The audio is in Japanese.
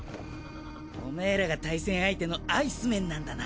オメエらが対戦相手のアイスメンなんだな。